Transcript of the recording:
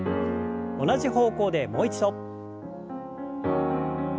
同じ方向でもう一度。